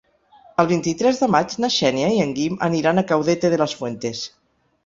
El vint-i-tres de maig na Xènia i en Guim aniran a Caudete de las Fuentes.